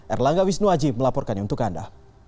erlangga wisnuaji melaporkannya untuk anda